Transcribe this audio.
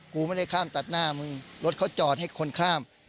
กูไม่ได้ข้ามตัดหน้ามึงรถเขาจอดให้คนข้าม